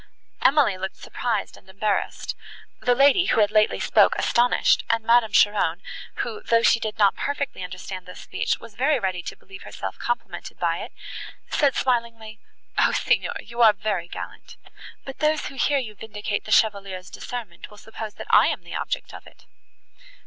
Emily looked surprised and embarrassed; the lady, who had lately spoken, astonished, and Madame Cheron, who, though she did not perfectly understand this speech, was very ready to believe herself complimented by it, said smilingly, "O Signor! you are very gallant; but those, who hear you vindicate the Chevalier's discernment, will suppose that I am the object of it."